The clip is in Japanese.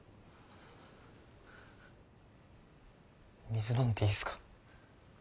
水飲んでいいっすか？